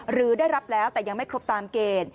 หรือได้รับแล้วแต่ยังไม่ครบตามเกณฑ์